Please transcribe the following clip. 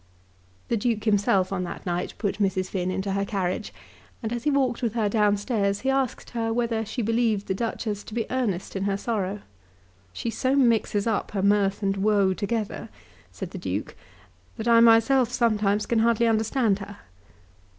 The Duke himself on that night put Mrs. Finn into her carriage; and as he walked with her downstairs he asked her whether she believed the Duchess to be in earnest in her sorrow. "She so mixes up her mirth and woe together," said the Duke, "that I myself sometimes can hardly understand her."